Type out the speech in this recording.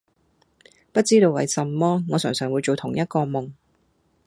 不知道為什麼，我常常會做同一個夢